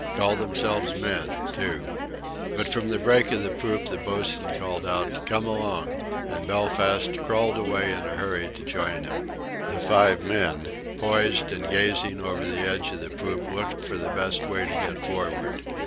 Call themselves men, too." But from the break of the poop the boatswain called out: "Come along," and Belfast crawled away in a hurry to join him. The five men, poised and gazing over the edge of the poop, looked for the best way to get forward.